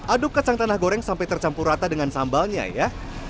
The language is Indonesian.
aduk kacang tanah goreng sampai tercampur rata dengan sambalnya ya